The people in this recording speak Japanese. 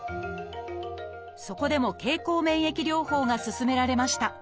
そこでも経口免疫療法が勧められました。